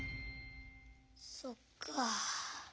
そっか。